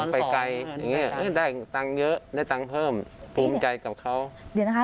ไปไกลได้ตังค์เยอะได้ตังค์เพิ่มไปแบบนี้แค่มีเพิ่มที่เก้า